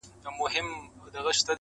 زموږ د پلار او دنیکه په مقبره کي,